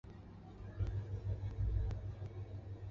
这个事情更多地被认为是两人分别独立地发现了此方法。